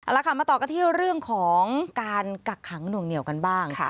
แล้วค่ะมาต่อกันที่เรื่องของการกักขังหน่วงเหนียวกันบ้าง